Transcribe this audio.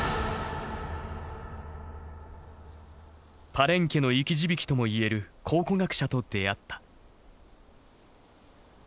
パレンケの生き字引ともいえる考古学者と出会った。